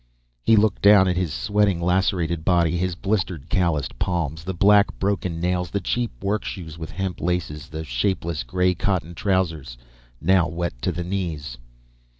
He looked down at his sweating, lacerated body; his blistered calloused palms; the black broken nails; the cheap workshoes with hemp laces; the shapeless gray cotton trousers, now wet to the knees.